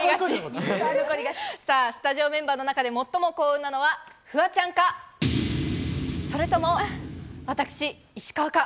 さぁ、スタジオメンバーの中で最も幸運なのはフワちゃんか、それとも、私、石川か。